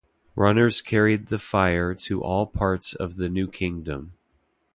Runners carried the fire to all parts of the new kingdom.